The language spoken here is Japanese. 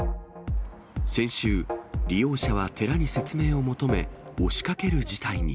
先週、利用者は寺に説明を求め、押しかける事態に。